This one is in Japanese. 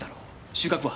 収穫は？